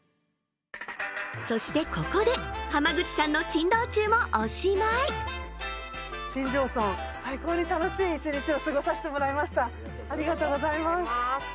そしてここで浜口さんの珍道中もおしまい新庄村最高に楽しい一日を過ごさせてもらいましたありがとうございます